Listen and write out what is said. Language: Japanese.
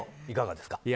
いかがですか？